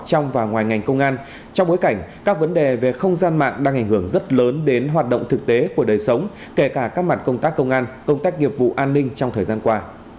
trong bối cảnh các vấn đề về không gian mạng đang ảnh hưởng rất lớn đến hoạt động thực tế của đời sống kể cả các mặt công tác công an công tác nghiệp vụ an ninh trong thời gian qua